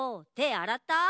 あらった？